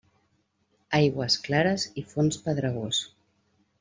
Aigües clares i fons pedregós.